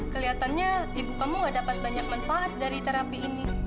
kelihatannya ibu kamu gak dapat banyak manfaat dari terapi ini